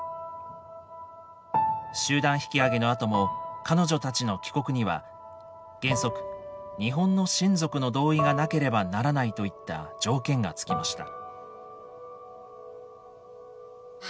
集団引き揚げのあとも彼女たちの帰国には原則日本の親族の同意がなければならないといった条件がつきました。